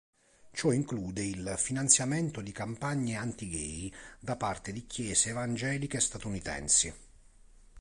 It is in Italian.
Ciò include il finanziamento di campagne anti-gay da parte di chiese evangeliche statunitensi.